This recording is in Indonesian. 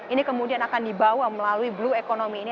ini kemudian akan dibawa melalui blue economy ini